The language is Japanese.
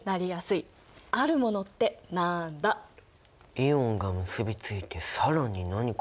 イオンが結びついて更に何かになる。